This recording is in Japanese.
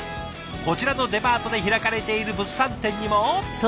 こちらのデパートで開かれている物産展にも。